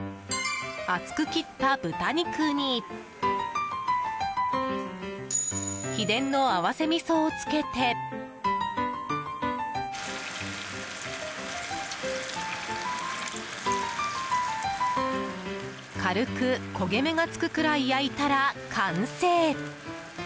厚く切った豚肉に秘伝の合わせみそをつけて軽く焦げ目がつくくらい焼いたら完成。